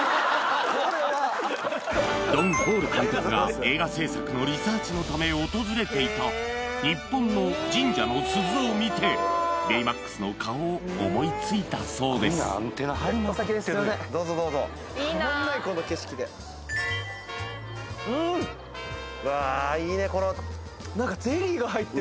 これはドン・ホール監督が映画製作のリサーチのため訪れていた日本の神社の鈴を見てベイマックスの顔を思いついたそうですうんっ！